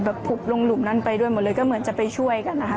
ผุบลงหลุมนั้นไปด้วยหมดเลยก็เหมือนจะไปช่วยกันนะคะ